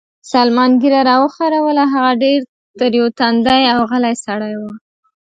سلمان ږیره را وخروله، هغه ډېر تریو تندی او غلی سړی و.